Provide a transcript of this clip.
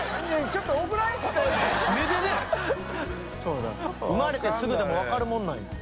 きむ）生まれてすぐでも分かるもんなんや。